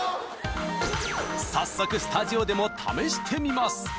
早速スタジオでも試してみます